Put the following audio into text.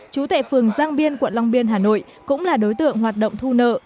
trú tại phường giang biên quận long biên hà nội cũng là đối tượng hoạt động thu nợ